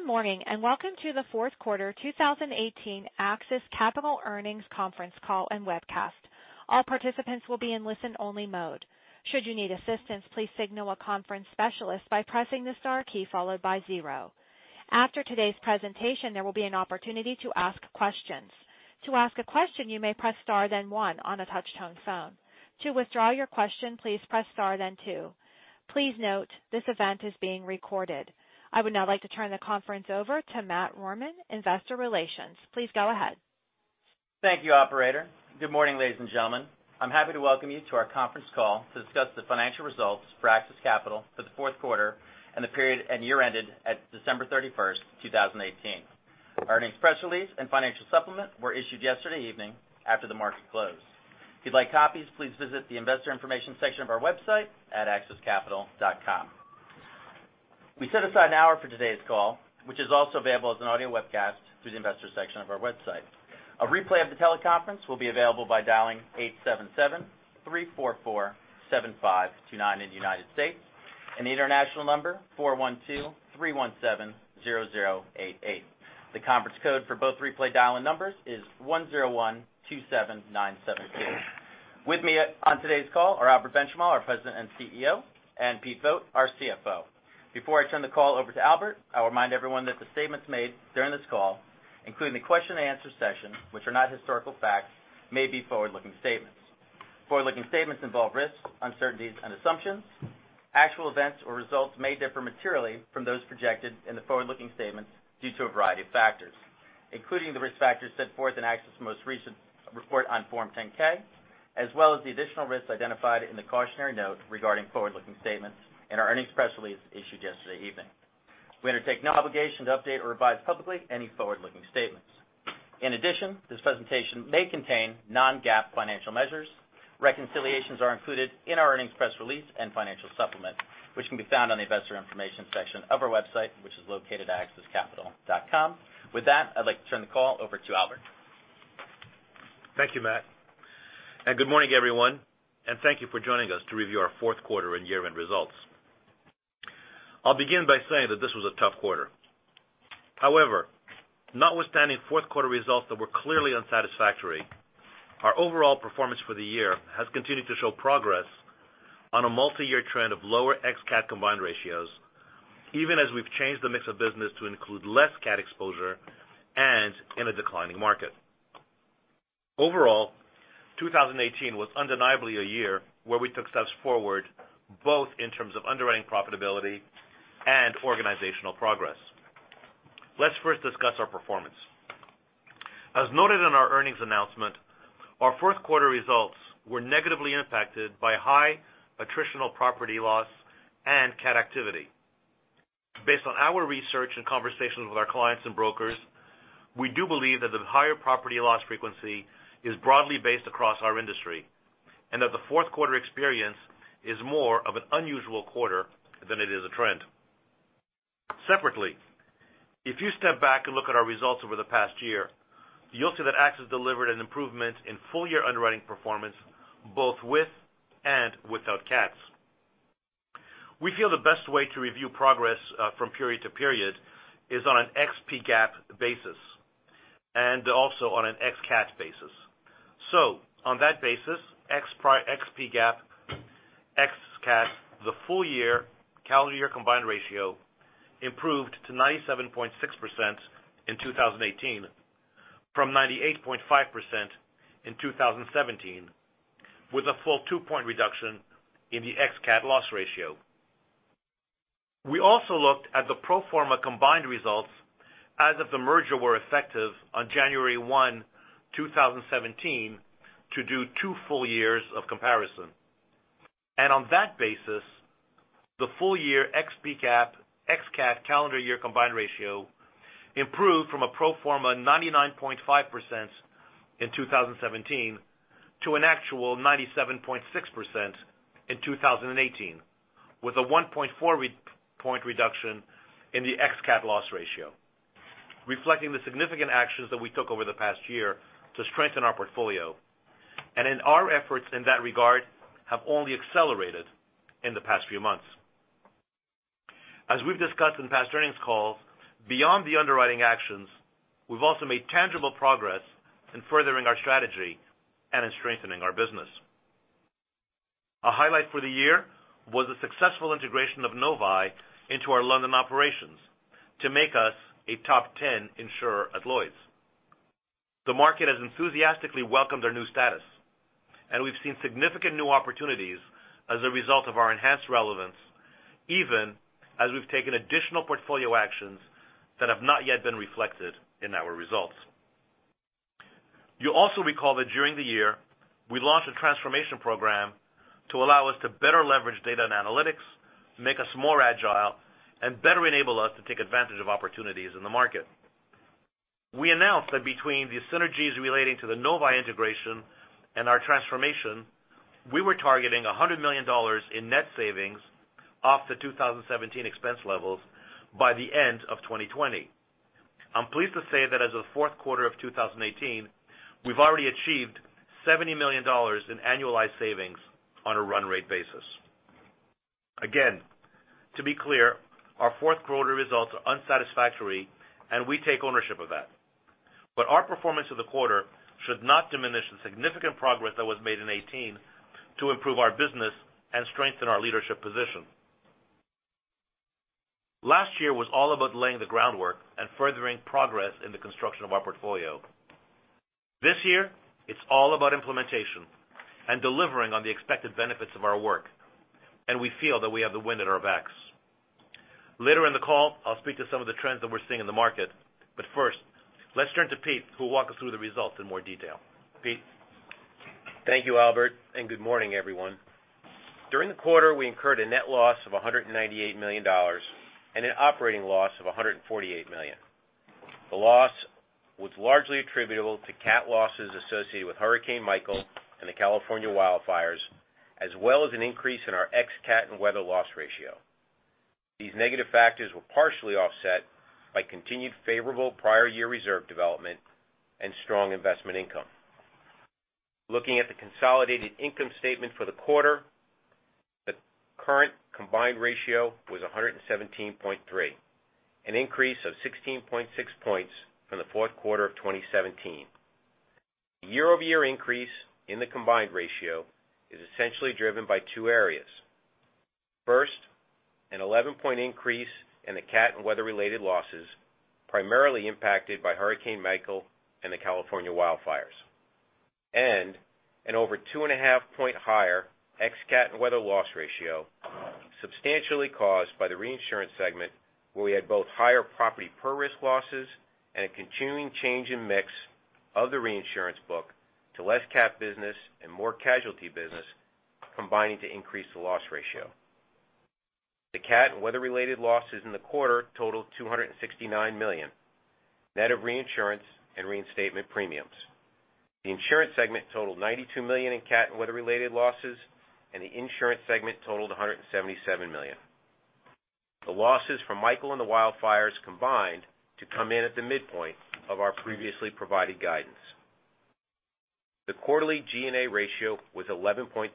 Good morning, welcome to the fourth quarter 2018 AXIS Capital earnings conference call and webcast. All participants will be in listen only mode. Should you need assistance, please signal a conference specialist by pressing the star key followed by 0. After today's presentation, there will be an opportunity to ask questions. To ask a question, you may press star then 1 on a touch-tone phone. To withdraw your question, please press star then 2. Please note, this event is being recorded. I would now like to turn the conference over to Matt Rohrmann, investor relations. Please go ahead. Thank you, operator. Good morning, ladies and gentlemen. I am happy to welcome you to our conference call to discuss the financial results for AXIS Capital for the fourth quarter and the period and year ended at December 31st, 2018. Our earnings press release and financial supplement were issued yesterday evening after the market closed. If you would like copies, please visit the investor information section of our website at axiscapital.com. We set aside an hour for today's call, which is also available as an audio webcast through the investor section of our website. A replay of the teleconference will be available by dialing 877-344-7529 in the U.S., and the international number, 412-317-0088. The conference code for both replay dial-in numbers is 10127972. With me on today's call are Albert Benchimol, our President and CEO, and Pete Vogt, our CFO. Before I turn the call over to Albert, I will remind everyone that the statements made during this call, including the question and answer session, which are not historical facts, may be forward-looking statements. Forward-looking statements involve risks, uncertainties, and assumptions. Actual events or results may differ materially from those projected in the forward-looking statements due to a variety of factors, including the risk factors set forth in AXIS' most recent report on Form 10-K, as well as the additional risks identified in the cautionary note regarding forward-looking statements in our earnings press release issued yesterday evening. We undertake no obligation to update or revise publicly any forward-looking statements. In addition, this presentation may contain non-GAAP financial measures. Reconciliations are included in our earnings press release and financial supplement, which can be found on the investor information section of our website, which is located at axiscapital.com. With that, I would like to turn the call over to Albert. Thank you, Matt. Good morning, everyone, and thank you for joining us to review our fourth quarter and year-end results. I'll begin by saying that this was a tough quarter. However, notwithstanding fourth quarter results that were clearly unsatisfactory, our overall performance for the year has continued to show progress on a multi-year trend of lower ex-CAT combined ratios, even as we've changed the mix of business to include less CAT exposure and in a declining market. Overall, 2018 was undeniably a year where we took steps forward, both in terms of underwriting profitability and organizational progress. Let's first discuss our performance. As noted in our earnings announcement, our fourth quarter results were negatively impacted by high attritional property loss and CAT activity. Based on our research and conversations with our clients and brokers, we do believe that the higher property loss frequency is broadly based across our industry, and that the fourth quarter experience is more of an unusual quarter than it is a trend. Separately, if you step back and look at our results over the past year, you'll see that AXIS delivered an improvement in full-year underwriting performance both with and without CATs. We feel the best way to review progress from period to period is on an ex-PGAAP basis, and also on an ex-CAT basis. On that basis, ex-PGAAP, ex-CAT, the full year calendar year combined ratio improved to 97.6% in 2018 from 98.5% in 2017, with a full 2-point reduction in the ex-CAT loss ratio. We also looked at the pro forma combined results as if the merger were effective on January 1, 2017 to do two full years of comparison. On that basis, the full year ex-PGAAP, ex-CAT calendar year combined ratio improved from a pro forma 99.5% in 2017 to an actual 97.6% in 2018, with a 1.4-point reduction in the ex-CAT loss ratio, reflecting the significant actions that we took over the past year to strengthen our portfolio. In our efforts in that regard have only accelerated in the past few months. As we've discussed in past earnings calls, beyond the underwriting actions, we've also made tangible progress in furthering our strategy and in strengthening our business. A highlight for the year was the successful integration of Novae into our London operations to make us a top 10 insurer at Lloyd's. The market has enthusiastically welcomed our new status, and we've seen significant new opportunities as a result of our enhanced relevance, even as we've taken additional portfolio actions that have not yet been reflected in our results. You'll also recall that during the year, we launched a transformation program to allow us to better leverage data and analytics to make us more agile and better enable us to take advantage of opportunities in the market. We announced that between the synergies relating to the Novae integration and our transformation, we were targeting $100 million in net savings off the 2017 expense levels by the end of 2020. I'm pleased to say that as of the fourth quarter of 2018, we've already achieved $70 million in annualized savings on a run rate basis. Again, to be clear, our fourth quarter results are unsatisfactory and we take ownership of that. Our performance of the quarter should not diminish the significant progress that was made in 2018 to improve our business and strengthen our leadership position. Last year was all about laying the groundwork and furthering progress in the construction of our portfolio. This year, it's all about implementation and delivering on the expected benefits of our work, and we feel that we have the wind at our backs. Later in the call, I'll speak to some of the trends that we're seeing in the market. First, let's turn to Pete, who will walk us through the results in more detail. Pete. Thank you, Albert, and good morning, everyone. During the quarter, we incurred a net loss of $198 million and an operating loss of $148 million. The loss was largely attributable to CAT losses associated with Hurricane Michael and the California wildfires, as well as an increase in our ex-CAT and weather loss ratio. These negative factors were partially offset by continued favorable prior year reserve development and strong investment income. Looking at the consolidated income statement for the quarter, the current combined ratio was 117.3%, an increase of 16.6 points from the fourth quarter of 2017. Year-over-year increase in the combined ratio is essentially driven by two areas. First, an 11-point increase in the CAT and weather-related losses, primarily impacted by Hurricane Michael and the California wildfires. An over 2.5 point higher ex-CAT and weather loss ratio, substantially caused by the reinsurance segment, where we had both higher property per-risk losses and a continuing change in mix of the reinsurance book to less CAT business and more casualty business, combining to increase the loss ratio. The CAT and weather-related losses in the quarter totaled $269 million, net of reinsurance and reinstatement premiums. The insurance segment totaled $92 million in CAT and weather-related losses, and the insurance segment totaled $177 million. The losses from Michael and the wildfires combined to come in at the midpoint of our previously provided guidance. The quarterly G&A ratio was 11.3%.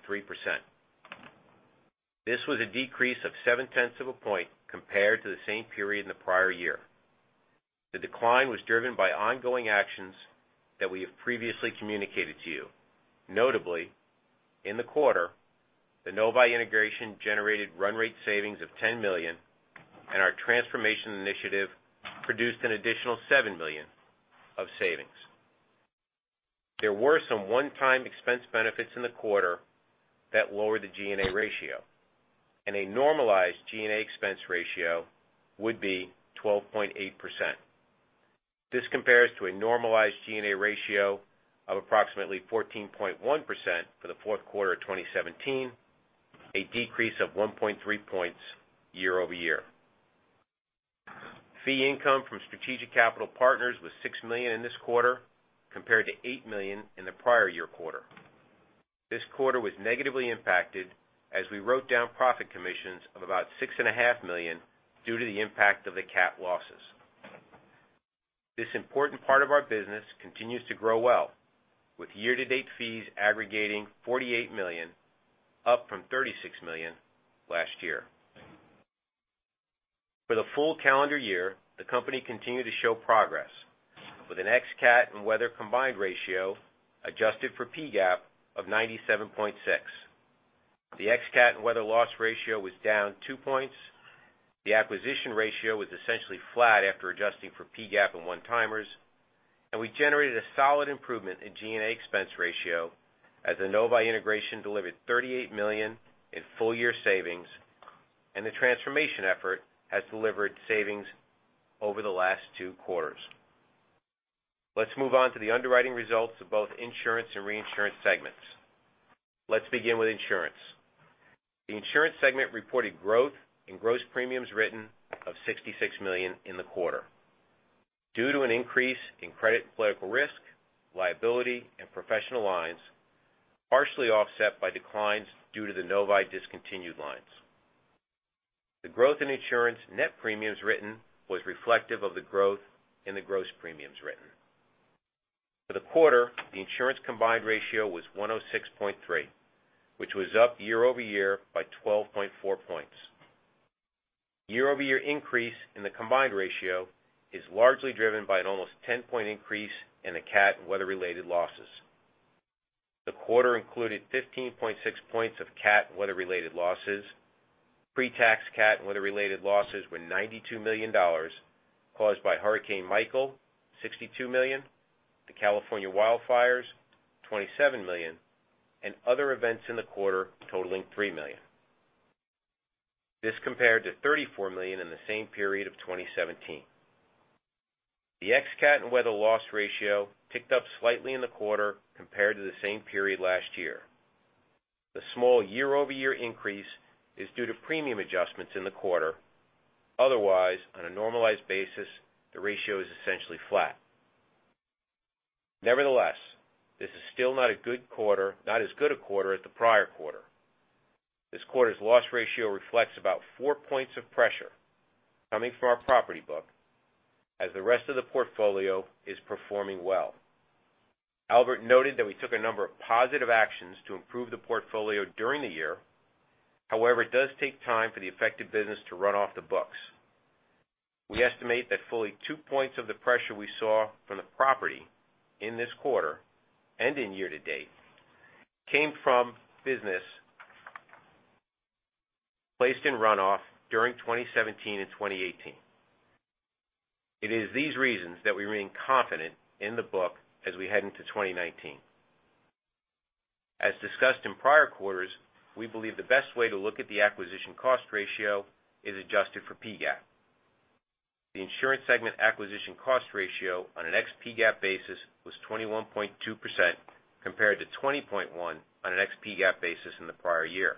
This was a decrease of 0.7 points compared to the same period in the prior year. The decline was driven by ongoing actions that we have previously communicated to you. Notably, in the quarter, the Novae integration generated run rate savings of $10 million, and our transformation initiative produced an additional $7 million of savings. There were some one-time expense benefits in the quarter that lowered the G&A ratio, and a normalized G&A expense ratio would be 12.8%. This compares to a normalized G&A ratio of approximately 14.1% for the fourth quarter of 2017, a decrease of 1.3 points year-over-year. Fee income from strategic capital partners was $6 million in this quarter, compared to $8 million in the prior year quarter. This quarter was negatively impacted as we wrote down profit commissions of about $6.5 million due to the impact of the CAT losses. This important part of our business continues to grow well, with year-to-date fees aggregating $48 million, up from $36 million last year. For the full calendar year, the company continued to show progress with an ex-CAT and weather combined ratio adjusted for PGAAP of 97.6. The ex-CAT and weather loss ratio was down two points. The acquisition ratio was essentially flat after adjusting for PGAAP and one-timers. We generated a solid improvement in G&A expense ratio as the Novae integration delivered $38 million in full year savings, and the transformation effort has delivered savings over the last two quarters. Let's move on to the underwriting results of both insurance and reinsurance segments. Let's begin with insurance. The insurance segment reported growth in gross premiums written of $66 million in the quarter due to an increase in credit and political risk, liability and professional lines, partially offset by declines due to the Novae discontinued lines. The growth in insurance net premiums written was reflective of the growth in the gross premiums written. For the quarter, the insurance combined ratio was 106.3, which was up year-over-year by 12.4 points. Year-over-year increase in the combined ratio is largely driven by an almost 10-point increase in the CAT and weather-related losses. The quarter included 15.6 points of CAT and weather-related losses. Pre-tax CAT and weather-related losses were $92 million, caused by Hurricane Michael, $62 million; the California wildfires, $27 million; and other events in the quarter totaling $3 million. This compared to $34 million in the same period of 2017. The ex-CAT and weather loss ratio ticked up slightly in the quarter compared to the same period last year. The small year-over-year increase is due to premium adjustments in the quarter. Otherwise, on a normalized basis, the ratio is essentially flat. Nevertheless, this is still not as good a quarter as the prior quarter. This quarter's loss ratio reflects about four points of pressure coming from our property book, as the rest of the portfolio is performing well. Albert noted that we took a number of positive actions to improve the portfolio during the year. However, it does take time for the effective business to run off the books. We estimate that fully two points of the pressure we saw from the property in this quarter, and in year-to-date, came from business placed in runoff during 2017 and 2018. It is these reasons that we remain confident in the book as we head into 2019. As discussed in prior quarters, we believe the best way to look at the acquisition cost ratio is adjusted for PGAAP. The insurance segment acquisition cost ratio on an ex-PGAAP basis was 21.2%, compared to 20.1% on an ex-PGAAP basis in the prior year,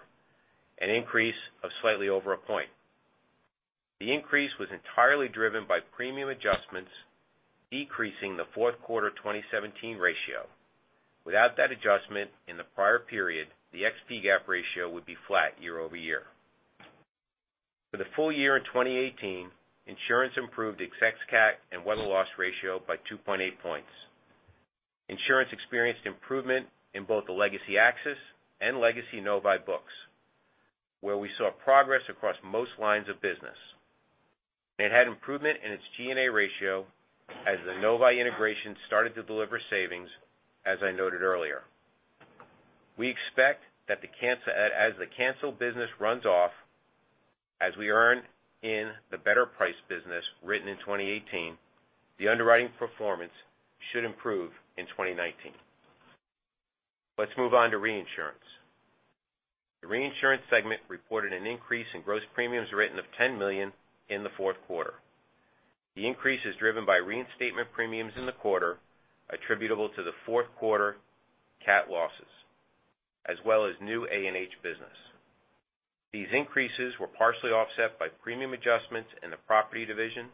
an increase of slightly over one point. The increase was entirely driven by premium adjustments, decreasing the fourth quarter 2017 ratio. Without that adjustment in the prior period, the ex-PGAAP ratio would be flat year-over-year. For the full year in 2018, insurance improved its ex-CAT and weather loss ratio by 2.8 points. Insurance experienced improvement in both the legacy AXIS and legacy Novae books, where we saw progress across most lines of business. It had improvement in its G&A ratio as the Novae integration started to deliver savings, as I noted earlier. We expect that as the canceled business runs off, as we earn in the better price business written in 2018, the underwriting performance should improve in 2019. Let's move on to reinsurance. The reinsurance segment reported an increase in gross premiums written of $10 million in the fourth quarter. The increase is driven by reinstatement premiums in the quarter attributable to the fourth quarter CAT losses, as well as new A&H business. These increases were partially offset by premium adjustments in the property division,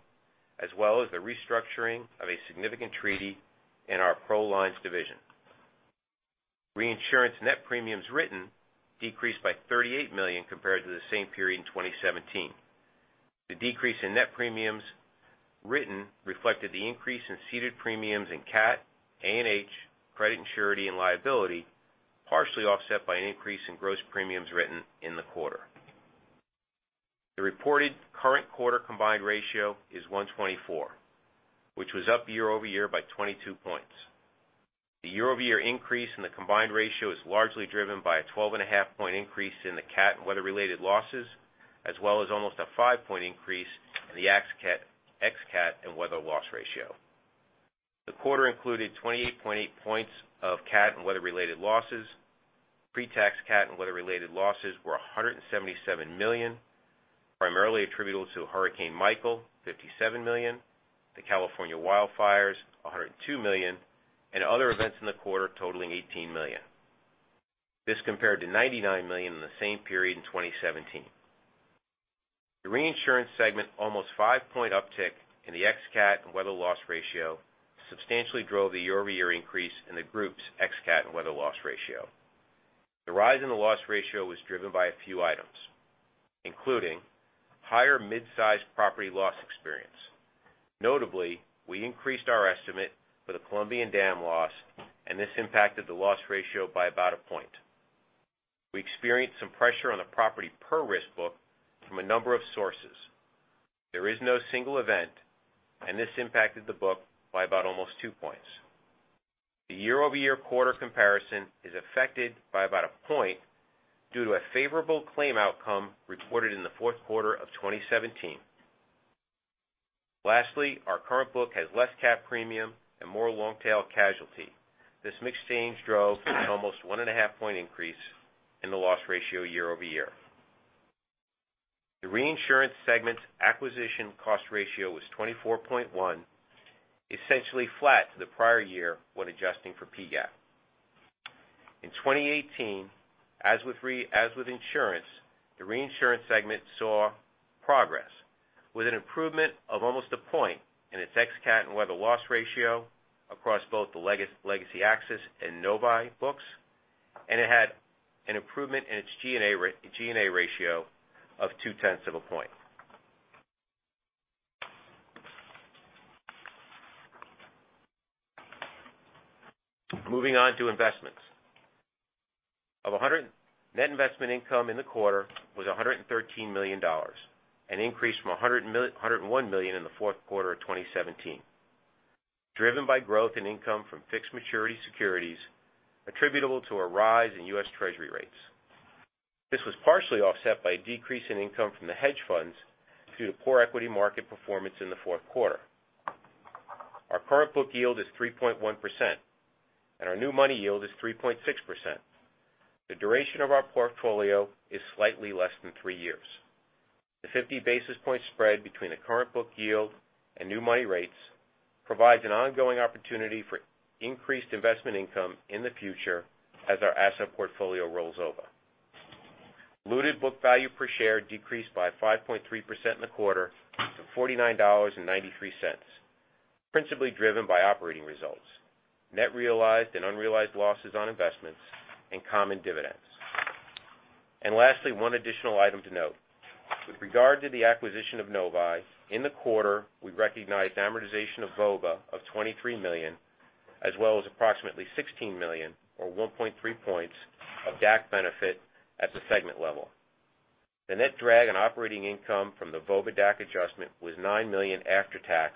as well as the restructuring of a significant treaty in our Pro Lines division. Reinsurance net premiums written decreased by $38 million compared to the same period in 2017. The decrease in net premiums written reflected the increase in ceded premiums in CAT, A&H, credit and surety, and liability, partially offset by an increase in gross premiums written in the quarter. The reported current quarter combined ratio is 124, which was up year-over-year by 22 points. The year-over-year increase in the combined ratio is largely driven by a 12.5 point increase in the CAT and weather-related losses, as well as almost a five-point increase in the ex-CAT and weather loss ratio. The quarter included 28.8 points of CAT and weather-related losses. Pre-tax CAT and weather-related losses were $177 million, primarily attributable to Hurricane Michael, $57 million, the California wildfires, $102 million, and other events in the quarter totaling $18 million. This compared to $99 million in the same period in 2017. The reinsurance segment almost five-point uptick in the ex-CAT and weather loss ratio substantially drove the year-over-year increase in the group's ex-CAT and weather loss ratio. The rise in the loss ratio was driven by a few items, including higher mid-size property loss experience. Notably, we increased our estimate for the Colombian dam loss, and this impacted the loss ratio by about a point. We experienced some pressure on the property per-risk book from a number of sources. There is no single event, and this impacted the book by about almost two points. The year-over-year quarter comparison is affected by about a point due to a favorable claim outcome reported in the fourth quarter of 2017. Lastly, our current book has less CAT premium and more long-tail casualty. This mix change drove an almost one and a half point increase in the loss ratio year-over-year. The reinsurance segment's acquisition cost ratio was 24.1, essentially flat to the prior year when adjusting for PGAAP. In 2018, as with insurance, the reinsurance segment saw progress with an improvement of almost a point in its ex-CAT and weather loss ratio across both the legacy AXIS and Novae books, and it had an improvement in its G&A ratio of two-tenths of a point. Moving on to investments. Net investment income in the quarter was $113 million, an increase from $101 million in the fourth quarter of 2017, driven by growth in income from fixed maturity securities attributable to a rise in U.S. Treasury rates. This was partially offset by a decrease in income from the hedge funds due to poor equity market performance in the fourth quarter. Our current book yield is 3.1%, and our new money yield is 3.6%. The duration of our portfolio is slightly less than three years. The 50 basis point spread between the current book yield and new money rates provides an ongoing opportunity for increased investment income in the future as our asset portfolio rolls over. Diluted book value per share decreased by 5.3% in the quarter to $49.93, principally driven by operating results, net realized and unrealized losses on investments, and common dividends. Lastly, one additional item to note. With regard to the acquisition of Novae, in the quarter, we recognized amortization of VOBA of $23 million, as well as approximately $16 million, or 1.3 points of DAC benefit at the segment level. The net drag on operating income from the VOBA DAC adjustment was $9 million after tax,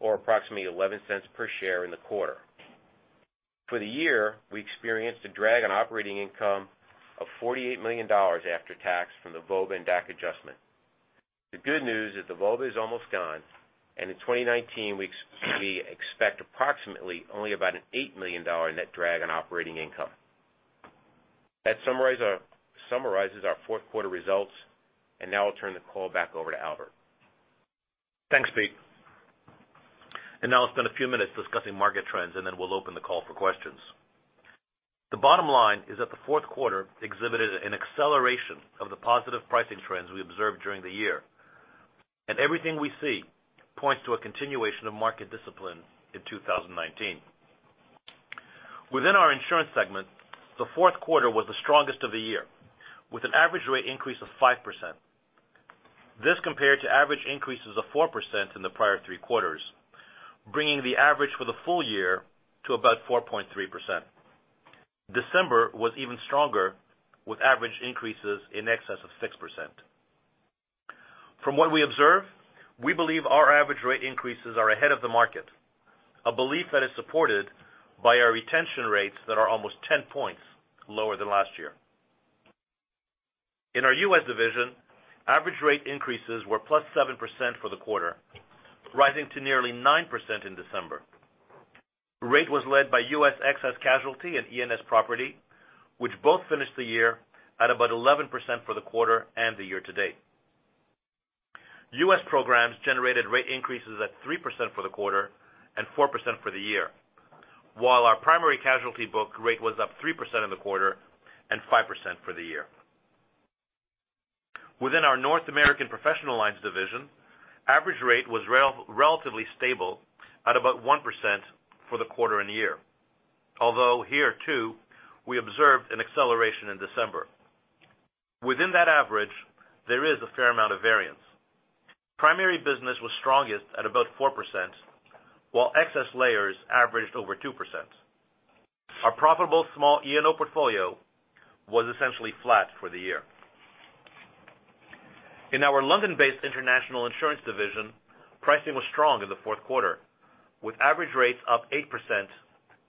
or approximately $0.11 per share in the quarter. For the year, we experienced a drag on operating income of $48 million after tax from the VOBA and DAC adjustment. The good news is the VOBA is almost gone, and in 2019, we expect approximately only about an $8 million net drag on operating income. That summarizes our fourth quarter results, and now I'll turn the call back over to Albert. Thanks, Pete. Now I'll spend a few minutes discussing market trends, and then we'll open the call for questions. The bottom line is that the fourth quarter exhibited an acceleration of the positive pricing trends we observed during the year. Everything we see points to a continuation of market discipline in 2019. Within our insurance segment, the fourth quarter was the strongest of the year, with an average rate increase of 5%. This compared to average increases of 4% in the prior three quarters, bringing the average for the full year to about 4.3%. December was even stronger, with average increases in excess of 6%. From what we observe, we believe our average rate increases are ahead of the market, a belief that is supported by our retention rates that are almost 10 points lower than last year. In our U.S. division, average rate increases were plus 7% for the quarter, rising to nearly 9% in December. The rate was led by U.S. Excess Casualty and E&S Property, which both finished the year at about 11% for the quarter and the year to date. U.S. Programs generated rate increases at 3% for the quarter and 4% for the year, while our Primary Casualty book rate was up 3% in the quarter and 5% for the year. Within our North American Professional Lines division, average rate was relatively stable at about 1% for the quarter and the year. Although here, too, we observed an acceleration in December. Within that average, there is a fair amount of variance. Primary business was strongest at about 4%, while excess layers averaged over 2%. Our profitable small E&O portfolio was essentially flat for the year. In our London-based International Insurance division, pricing was strong in the fourth quarter, with average rates up 8%,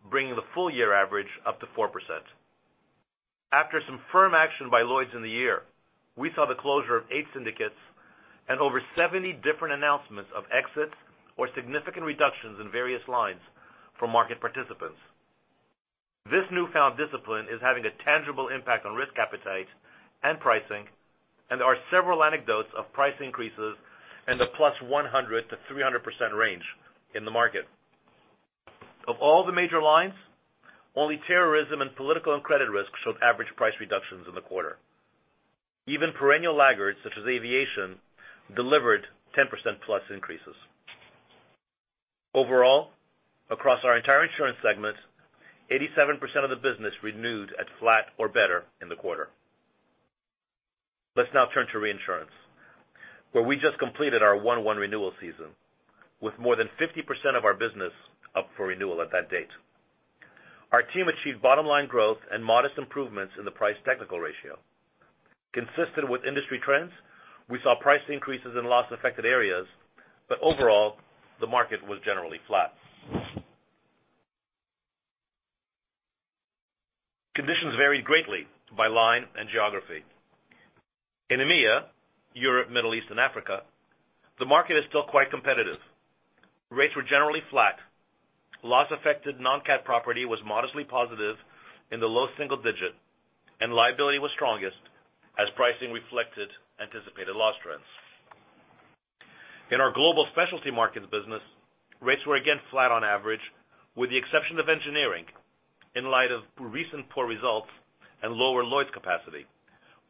bringing the full-year average up to 4%. After some firm action by Lloyd's in the year, we saw the closure of eight syndicates and over 70 different announcements of exits or significant reductions in various lines for market participants. This newfound discipline is having a tangible impact on risk appetite and pricing, and there are several anecdotes of price increases in the plus 100%-300% range in the market. Of all the major lines, only terrorism and political and credit risk showed average price reductions in the quarter. Even perennial laggards such as aviation delivered 10%-plus increases. Overall, across our entire insurance segment, 87% of the business renewed at flat or better in the quarter. Let's now turn to reinsurance, where we just completed our 1/1 renewal season with more than 50% of our business up for renewal at that date. Our team achieved bottom-line growth and modest improvements in the price technical ratio. Consistent with industry trends, we saw price increases in loss-affected areas, but overall, the market was generally flat. Conditions vary greatly by line and geography. In EMEA, Europe, Middle East, and Africa, the market is still quite competitive. Rates were generally flat. Loss-affected non-CAT property was modestly positive in the low single-digit, and liability was strongest as pricing reflected anticipated loss trends. In our Global Specialty Markets business, rates were again flat on average, with the exception of engineering in light of recent poor results and lower Lloyd's capacity,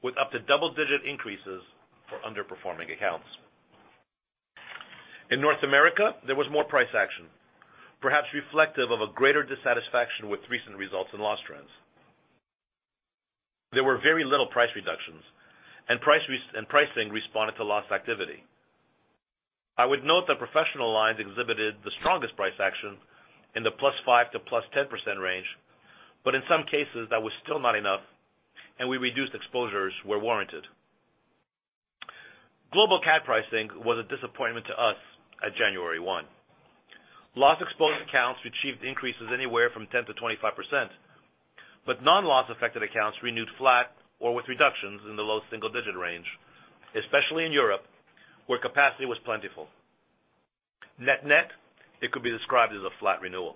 with up to double-digit increases for underperforming accounts. In North America, there was more price action, perhaps reflective of a greater dissatisfaction with recent results and loss trends. There were very little price reductions, and pricing responded to loss activity. I would note that professional lines exhibited the strongest price action in the +5% to +10% range, but in some cases, that was still not enough, and we reduced exposures where warranted. Global CAT pricing was a disappointment to us at January 1. Loss-exposed accounts achieved increases anywhere from 10%-25%, but non-loss-affected accounts renewed flat or with reductions in the low single-digit range, especially in Europe, where capacity was plentiful. Net-net, it could be described as a flat renewal.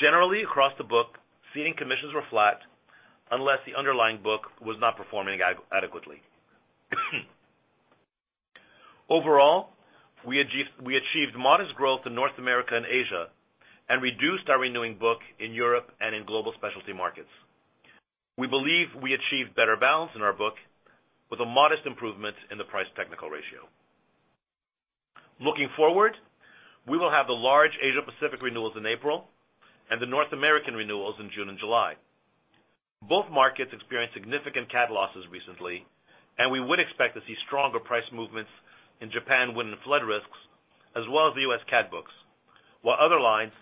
Generally across the book, ceding commissions were flat unless the underlying book was not performing adequately. Overall, we achieved modest growth in North America and Asia and reduced our renewing book in Europe and in Global Specialty Markets. We believe we achieved better balance in our book with a modest improvement in the price technical ratio. Looking forward, we will have the large Asia Pacific renewals in April and the North American renewals in June and July. Both markets experienced significant CAT losses recently, and we would expect to see stronger price movements in Japan wind and flood risks, as well as the U.S. CAT books. While other lines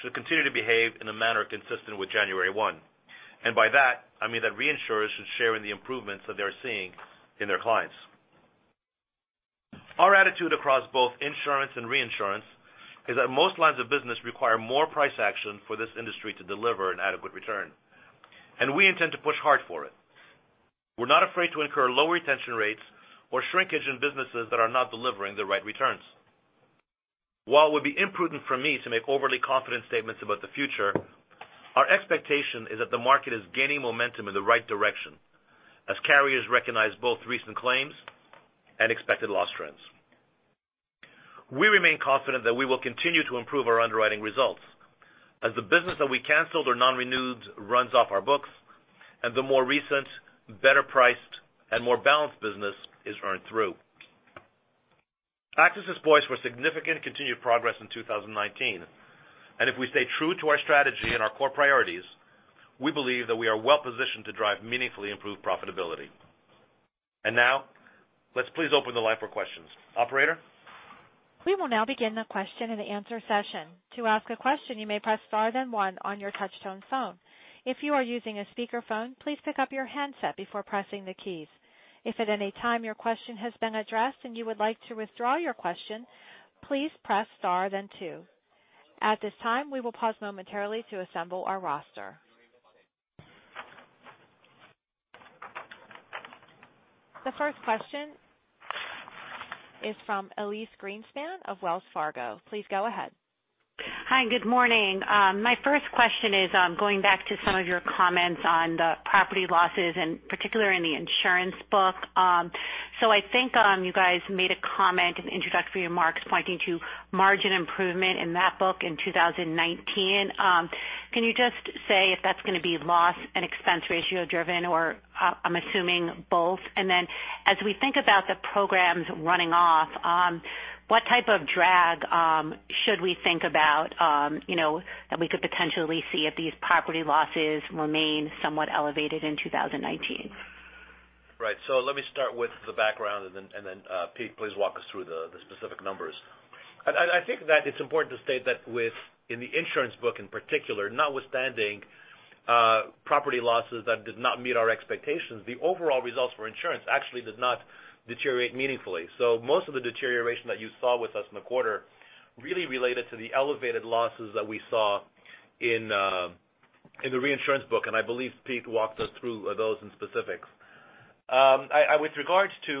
should continue to behave in a manner consistent with January 1, and by that I mean that reinsurers should share in the improvements that they're seeing in their clients. Our attitude across both insurance and reinsurance is that most lines of business require more price action for this industry to deliver an adequate return, and we intend to push hard for it. We're not afraid to incur low retention rates or shrinkage in businesses that are not delivering the right returns. While it would be imprudent for me to make overly confident statements about the future, our expectation is that the market is gaining momentum in the right direction as carriers recognize both recent claims and expected loss trends. We remain confident that we will continue to improve our underwriting results as the business that we canceled or non-renewed runs off our books and the more recent, better priced and more balanced business is earned through. AXIS is poised for significant continued progress in 2019, if we stay true to our strategy and our core priorities, we believe that we are well-positioned to drive meaningfully improved profitability. Now, let's please open the line for questions. Operator? We will now begin the question and answer session. To ask a question, you may press star then one on your touch-tone phone. If you are using a speakerphone, please pick up your handset before pressing the keys. If at any time your question has been addressed and you would like to withdraw your question, please press star then two. At this time, we will pause momentarily to assemble our roster. The first question is from Elyse Greenspan of Wells Fargo. Please go ahead. Hi, good morning. My first question is going back to some of your comments on the property losses, in particular in the insurance book. I think you guys made a comment in the introductory remarks pointing to margin improvement in that book in 2019. Can you just say if that's going to be loss and expense ratio driven or I'm assuming both? Then as we think about the programs running off, what type of drag should we think about that we could potentially see if these property losses remain somewhat elevated in 2019? Right. Let me start with the background and then, Pete, please walk us through the specific numbers. I think that it's important to state that in the insurance book in particular, notwithstanding property losses that did not meet our expectations, the overall results for insurance actually did not deteriorate meaningfully. Most of the deterioration that you saw with us in the quarter really related to the elevated losses that we saw in the reinsurance book, and I believe Pete walked us through those in specifics. With regards to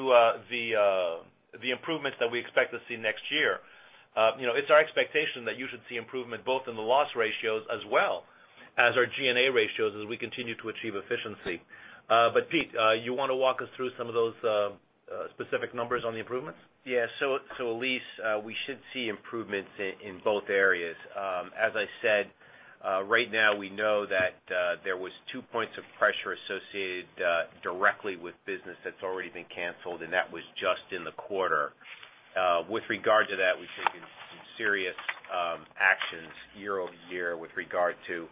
the improvements that we expect to see next year, it's our expectation that you should see improvement both in the loss ratios as well as our G&A ratios as we continue to achieve efficiency. Pete, you want to walk us through some of those specific numbers on the improvements? Yeah. Elyse, we should see improvements in both areas. As I said, right now we know that there was two points of pressure associated directly with business that's already been canceled, and that was just in the quarter. With regard to that, we've taken some serious actions year-over-year with regard to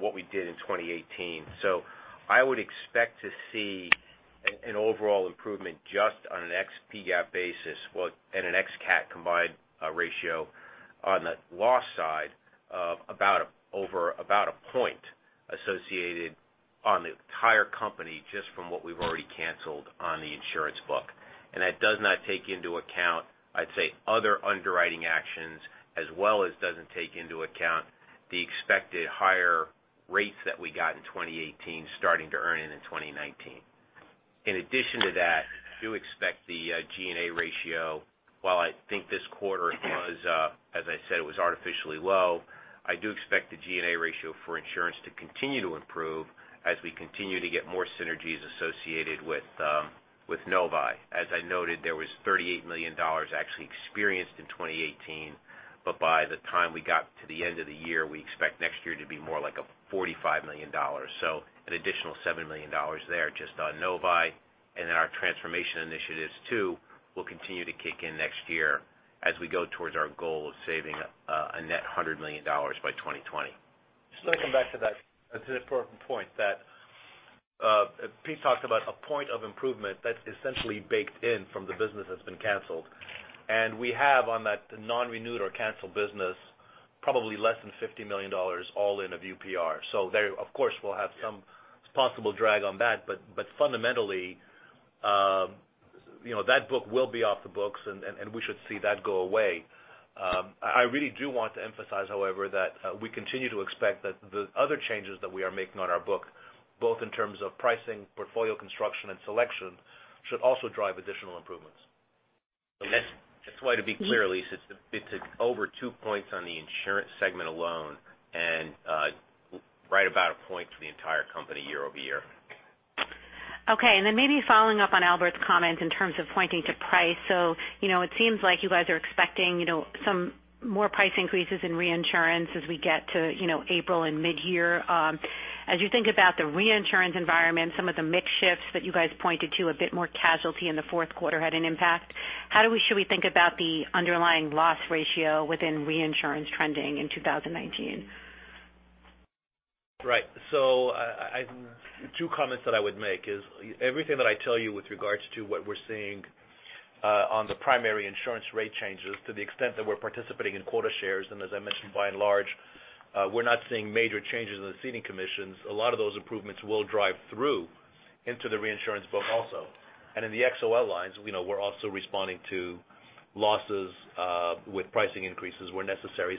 what we did in 2018. I would expect to see an overall improvement just on an ex-PGAAP basis and an ex-CAT combined ratio on the loss side of about a point associated on the entire company just from what we've already canceled on the insurance book. That does not take into account, I'd say, other underwriting actions as well as doesn't take into account the expected higher rates that we got in 2018 starting to earn in 2019. In addition to that, I do expect the G&A ratio, while I think this quarter, as I said, it was artificially low, I do expect the G&A ratio for insurance to continue to improve as we continue to get more synergies associated with Novae. As I noted, there was $38 million actually experienced in 2018, but by the time we got to the end of the year, we expect next year to be more like $45 million. An additional $7 million there just on Novae. Our transformation initiatives too will continue to kick in next year as we go towards our goal of saving a net $100 million by 2020. Just let me come back to that important point that Pete talked about a point of improvement that's essentially baked in from the business that's been canceled. We have on that non-renewed or canceled business probably less than $50 million all in of UPR. There, of course, we'll have some possible drag on that, but fundamentally, that book will be off the books, and we should see that go away. I really do want to emphasize, however, that we continue to expect that the other changes that we are making on our book, both in terms of pricing, portfolio construction, and selection, should also drive additional improvements. Just wanted to be clear, Elyse, it's over two points on the insurance segment alone and right about a point for the entire company year-over-year. Okay, maybe following up on Albert's comment in terms of pointing to price. It seems like you guys are expecting some more price increases in reinsurance as we get to April and mid-year. As you think about the reinsurance environment, some of the mix shifts that you guys pointed to, a bit more casualty in the fourth quarter had an impact. How should we think about the underlying loss ratio within reinsurance trending in 2019? Right. Two comments that I would make is everything that I tell you with regards to what we're seeing on the primary insurance rate changes to the extent that we're participating in quota shares. As I mentioned, by and large, we're not seeing major changes in the ceding commissions. A lot of those improvements will drive through into the reinsurance book also. In the XOL lines, we're also responding to losses with pricing increases where necessary.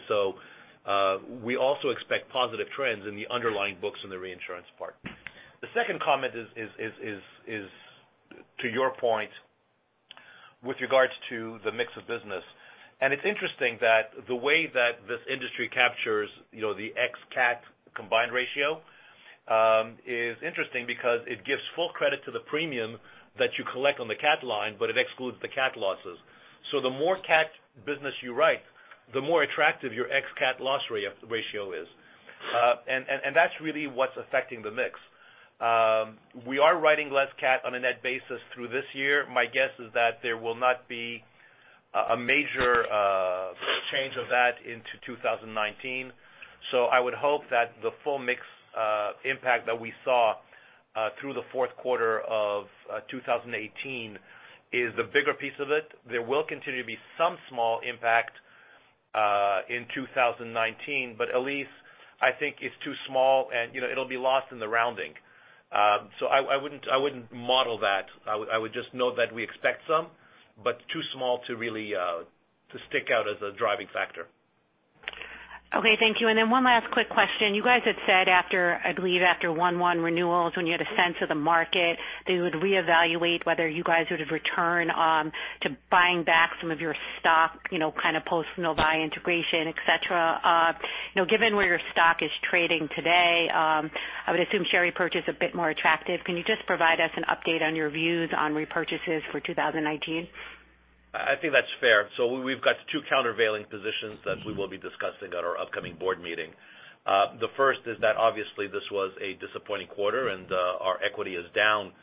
We also expect positive trends in the underlying books in the reinsurance part. The second comment is to your point with regards to the mix of business, and it's interesting that the way that this industry captures the ex-CAT combined ratio is interesting because it gives full credit to the premium that you collect on the CAT line, but it excludes the CAT losses. The more CAT business you write, the more attractive your ex-CAT loss ratio is. That's really what's affecting the mix. We are writing less CAT on a net basis through this year. My guess is that there will not be a major change of that into 2019. I would hope that the full mix impact that we saw through the fourth quarter of 2018 is the bigger piece of it. There will continue to be some small impact in 2019, Elyse, I think it's too small, and it'll be lost in the rounding. I wouldn't model that. I would just note that we expect some, but too small to really to stick out as a driving factor. Okay, thank you. One last quick question. You guys had said I believe after 1/1 renewals when you had a sense of the market that you would reevaluate whether you guys would return to buying back some of your stock post Novae integration, et cetera. Given where your stock is trading today, I would assume share repurchase a bit more attractive. Can you just provide us an update on your views on repurchases for 2019? I think that's fair. We've got two countervailing positions that we will be discussing at our upcoming board meeting. The first is that obviously this was a disappointing quarter, and our equity is down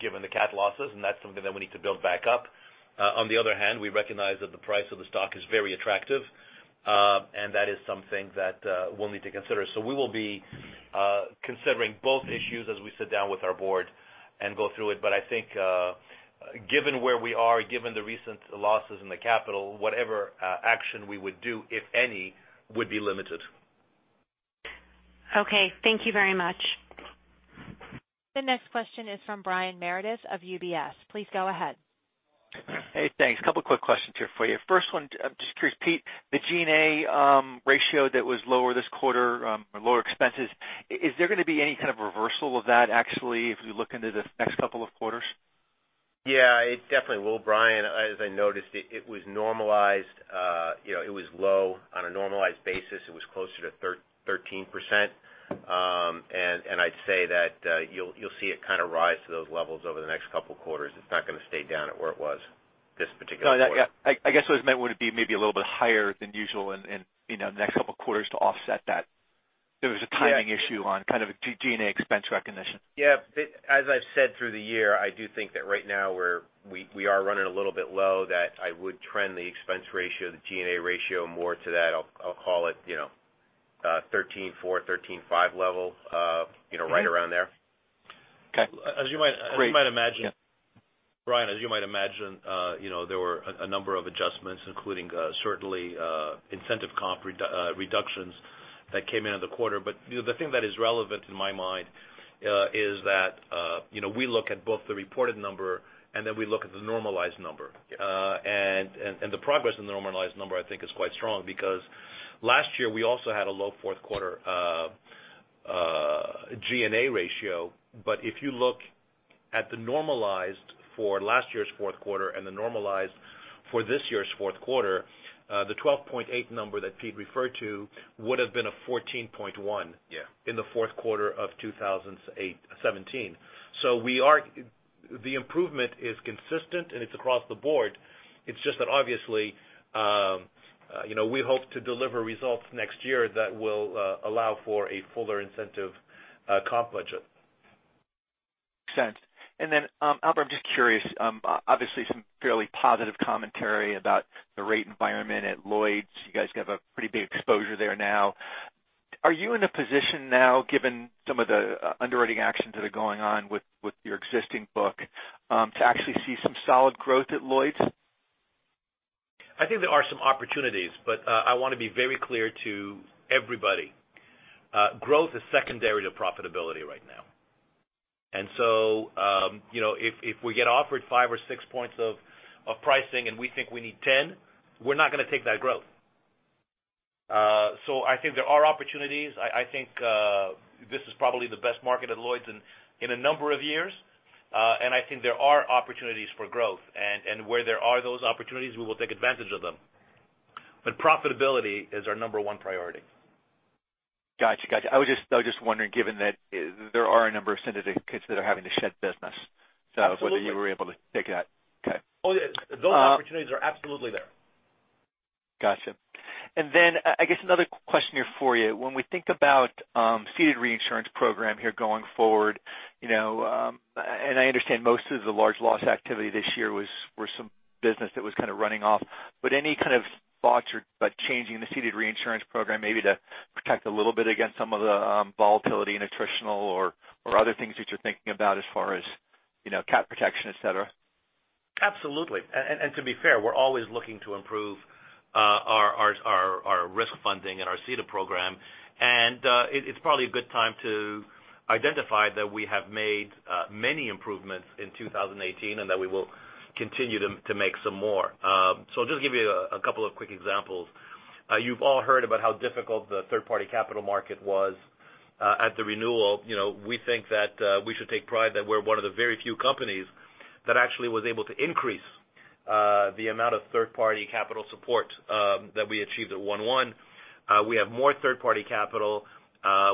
given the CAT losses, and that's something that we need to build back up. On the other hand, we recognize that the price of the stock is very attractive. That is something that we'll need to consider. We will be considering both issues as we sit down with our board and go through it. I think given where we are, given the recent losses in the capital, whatever action we would do, if any, would be limited. Okay, thank you very much. The next question is from Brian Meredith of UBS. Please go ahead. Hey, thanks. A couple quick questions here for you. First one, I'm just curious, Pete, the G&A ratio that was lower this quarter, or lower expenses, is there going to be any kind of reversal of that actually if we look into the next couple of quarters? Yeah, it definitely will, Brian. As I noticed, it was normalized. It was low on a normalized basis. It was closer to 13%. I'd say that you'll see it kind of rise to those levels over the next couple of quarters. It's not going to stay down at where it was this particular quarter. No, I guess what I meant would it be maybe a little bit higher than usual in the next couple of quarters to offset that there was a timing issue on kind of G&A expense recognition. Yeah. As I've said through the year, I do think that right now we are running a little bit low, that I would trend the expense ratio, the G&A ratio more to that, I'll call it, 13.4, 13.5 level. Right around there. Okay. Great. Yeah. Brian, as you might imagine there were a number of adjustments, including certainly incentive comp reductions that came in in the quarter. The thing that is relevant in my mind is that we look at both the reported number and then we look at the normalized number. Yeah. The progress in the normalized number I think is quite strong because last year we also had a low fourth quarter G&A ratio. If you look at the normalized for last year's fourth quarter and the normalized for this year's fourth quarter, the 12.8 number that Pete referred to would've been a 14.1 in the fourth quarter of 2017. The improvement is consistent, and it's across the board. It's just that obviously we hope to deliver results next year that will allow for a fuller incentive comp budget. Makes sense. Albert, I'm just curious, obviously some fairly positive commentary about the rate environment at Lloyd's. You guys have a pretty big exposure there now. Are you in a position now given some of the underwriting actions that are going on with your existing book to actually see some solid growth at Lloyd's? I think there are some opportunities, but I want to be very clear to everybody. Growth is secondary to profitability right now. If we get offered five or six points of pricing and we think we need 10, we're not going to take that growth. I think there are opportunities. I think this is probably the best market at Lloyd's in a number of years. I think there are opportunities for growth, and where there are those opportunities, we will take advantage of them. Profitability is our number one priority. Got you. I was just wondering, given that there are a number of syndicates that are having to shed business. Absolutely I was wondering if you were able to take that. Okay. Those opportunities are absolutely there. Got you. I guess another question here for you. When we think about ceded reinsurance program here going forward, and I understand most of the large loss activity this year were some business that was kind of running off, but any kind of thoughts about changing the ceded reinsurance program, maybe to protect a little bit against some of the volatility in attritional or other things that you're thinking about as far as cat protection, et cetera? Absolutely. To be fair, we're always looking to improve our risk funding and our ceded program. It's probably a good time to identify that we have made many improvements in 2018, that we will continue to make some more. I'll just give you a couple of quick examples. You've all heard about how difficult the third-party capital market was at the renewal. We think that we should take pride that we're one of the very few companies that actually was able to increase the amount of third-party capital support that we achieved at 1/1. We have more third-party capital,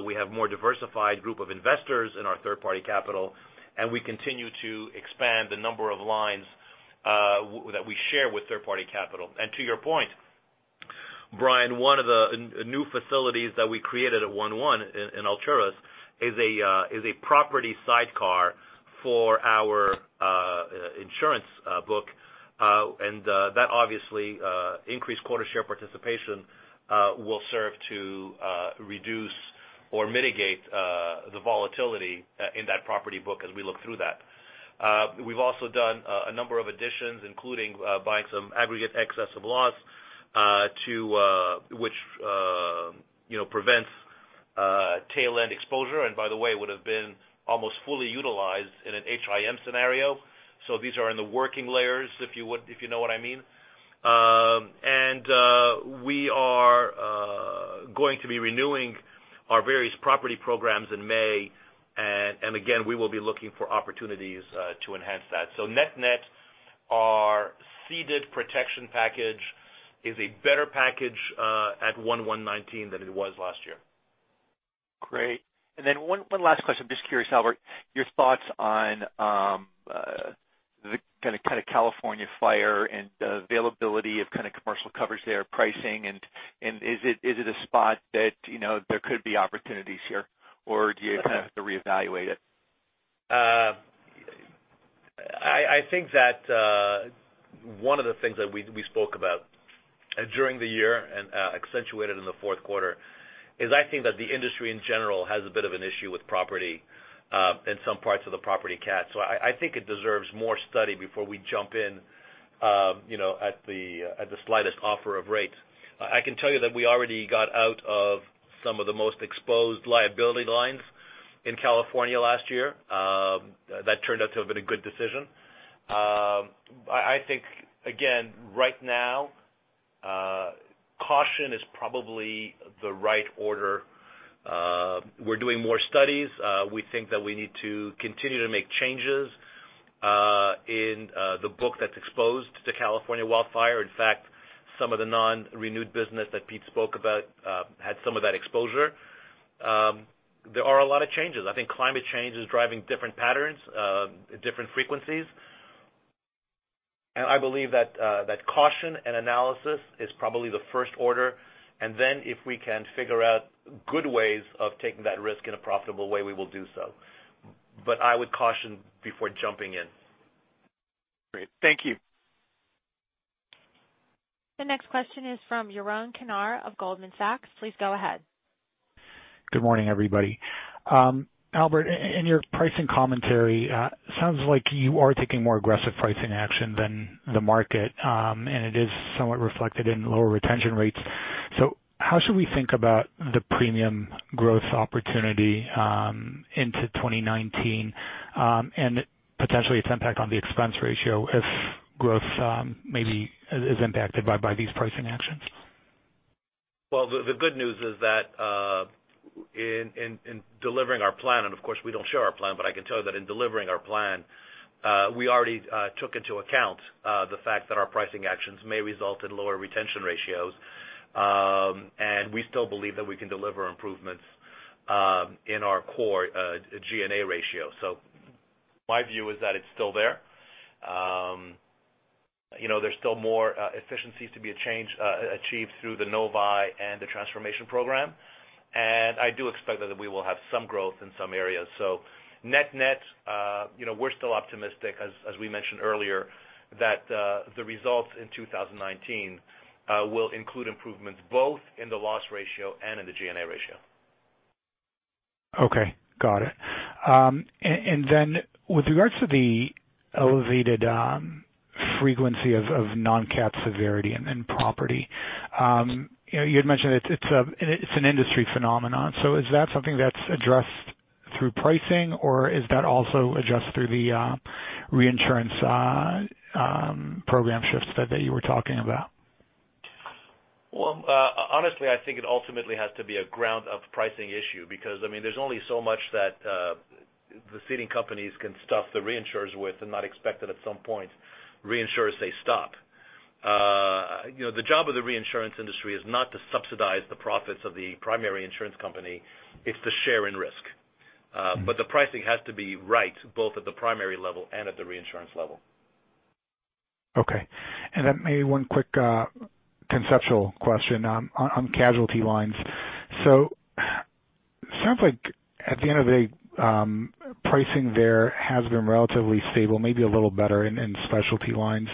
we have more diversified group of investors in our third-party capital, and we continue to expand the number of lines that we share with third-party capital. To your point, Brian, one of the new facilities that we created at 1/1 in Alturas is a property sidecar for our insurance book. That obviously increased quota share participation will serve to reduce or mitigate the volatility in that property book as we look through that. We've also done a number of additions, including buying some aggregate excess of loss which prevents tail end exposure, and by the way, would've been almost fully utilized in an HIM scenario. These are in the working layers, if you know what I mean. We are going to be renewing our various property programs in May, and again, we will be looking for opportunities to enhance that. Net-net, our ceded protection package is a better package at 1/1/2019 than it was last year. Great. One last question. Just curious, Albert, your thoughts on the kind of California fire and availability of commercial coverage there, pricing, and is it a spot that there could be opportunities here, or do you kind of have to reevaluate it? I think that one of the things that we spoke about during the year and accentuated in the fourth quarter is I think that the industry in general has a bit of an issue with property in some parts of the property CAT. I think it deserves more study before we jump in at the slightest offer of rates. I can tell you that we already got out of some of the most exposed liability lines in California last year. That turned out to have been a good decision. I think, again, right now, caution is probably the right order. We're doing more studies. We think that we need to continue to make changes in the book that's exposed to California wildfire. In fact, some of the non-renewed business that Pete spoke about had some of that exposure. There are a lot of changes. I think climate change is driving different patterns, different frequencies. I believe that caution and analysis is probably the first order, and then if we can figure out good ways of taking that risk in a profitable way, we will do so. I would caution before jumping in. Great. Thank you. The next question is from Yaron Kinar of Goldman Sachs. Please go ahead. Good morning, everybody. Albert, in your pricing commentary, sounds like you are taking more aggressive pricing action than the market, and it is somewhat reflected in lower retention rates. How should we think about the premium growth opportunity into 2019, and potentially its impact on the expense ratio if growth maybe is impacted by these pricing actions? The good news is that in delivering our plan, and of course we don't show our plan, but I can tell you that in delivering our plan, we already took into account the fact that our pricing actions may result in lower retention ratios. We still believe that we can deliver improvements in our core G&A ratio. My view is that it's still there. There's still more efficiencies to be achieved through the Novae and the transformation program. I do expect that we will have some growth in some areas. Net-net, we're still optimistic, as we mentioned earlier, that the results in 2019 will include improvements both in the loss ratio and in the G&A ratio. Okay. Got it. With regards to the elevated frequency of non-CAT severity and then property, you had mentioned it's an industry phenomenon. Is that something that's addressed through pricing, or is that also addressed through the reinsurance program shifts that you were talking about? Honestly, I think it ultimately has to be a ground of pricing issue because there's only so much that the ceding companies can stuff the reinsurers with and not expect that at some point, reinsurers say stop. The job of the reinsurance industry is not to subsidize the profits of the primary insurance company, it's to share in risk. The pricing has to be right, both at the primary level and at the reinsurance level. Okay. Maybe one quick conceptual question on casualty lines. It sounds like at the end of the day, pricing there has been relatively stable, maybe a little better in specialty lines.